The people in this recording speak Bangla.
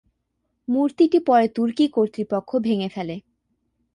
মূর্তিটি পরে তুর্কি কর্তৃপক্ষ ভেঙে ফেলে।